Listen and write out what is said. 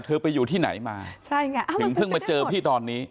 ไปอยู่ที่ไหนมาใช่ไงถึงเพิ่งมาเจอพี่ตอนนี้